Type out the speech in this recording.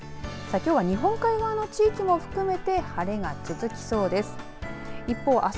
きょうは日本海側の地域も含めて晴れが続きそうです。